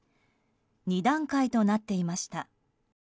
２段階となっていました。